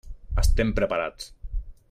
Estem preparats.